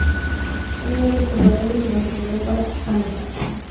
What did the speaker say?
El observatorio se construyó para alojar la cámara Schmidt, que era su telescopio principal.